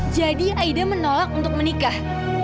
jadi aida menolak untuk menikah